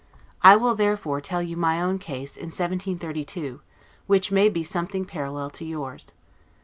I will therefore tell you my own case, in 1732, which may be something parallel to yours.